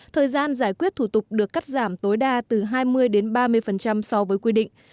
thời gian giải quyết thủ tục được cắt giảm tối đa từ hai mươi đến ba mươi so với quy định